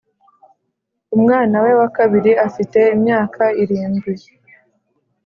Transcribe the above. umwana we wa kabiri afite imyaka irindwi